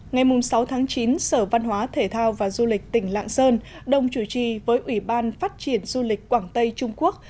ngày sáu chín sở văn hóa thể thao và du lịch tỉnh lạng sơn đồng chủ trì với ủy ban phát triển du lịch quảng tây trung quốc